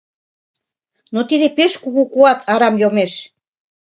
Но тиде пеш кугу куат арам йомеш.